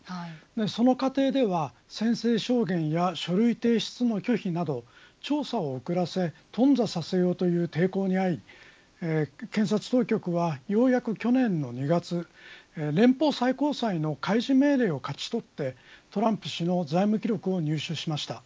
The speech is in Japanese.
その過程では、宣誓証言や書類提出の拒否など調査をおくらせ頓挫させようという抵抗もあり検察当局はようやく去年の２月連邦最高裁の開示命令を勝ち取ってトランプ氏の財務記録を入手しました。